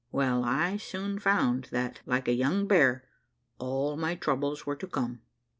Well, I soon found that, like a young bear, all my troubles were to come.